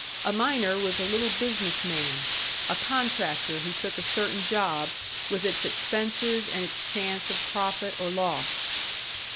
A miner was a little business man, a contractor who took a certain job, with its expenses and its chance of profit or loss.